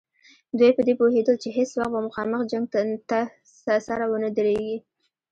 دوی په دې پوهېدل چې هېڅ وخت به مخامخ جنګ ته سره ونه دریږي.